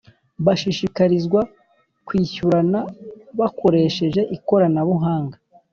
bashishikarizwa kwishyurana bakoresheje ikorana buhanga